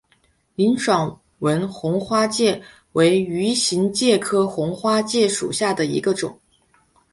林爽文红花介为鱼形介科红花介属下的一个种。